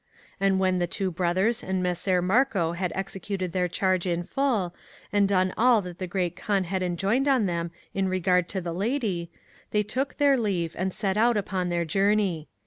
And when the Two Brothers and Messer Marco had executed their charge in full, and done all that the Great Kaan had enjoined on them in regard to the Lady, they took their leave and set out upon their journey.